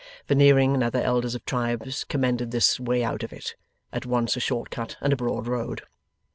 Veneering and other elders of tribes commended this way out of it. At once a short cut and a broad road.